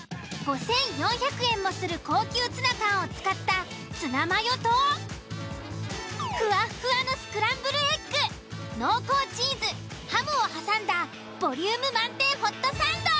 ５、４００円もする高級ツナ缶を使ったツナマヨとフワッフワのスクランブルエッグ濃厚チーズハムを挟んだボリューム満点ホットサンド。